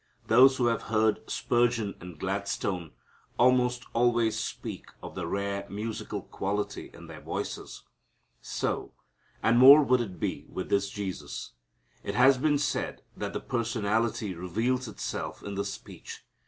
Those who have heard Spurgeon and Gladstone almost always speak of the rare musical quality in their voices. So, and more would it be with this Jesus. It has been said that the personality reveals itself in the speech.